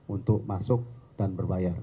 untuk masuk dan berbayar